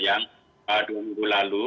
yang dua minggu lalu